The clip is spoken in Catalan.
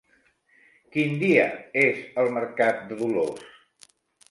Quin dia és el mercat de Dolors?